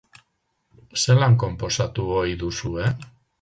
Zelan konposatu ohi duzue?